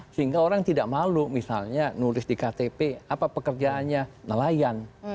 sehingga orang tidak malu misalnya nulis di ktp apa pekerjaannya nelayan